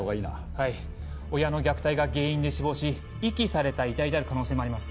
はい親の虐待が原因で死亡し遺棄された遺体である可能性もあります。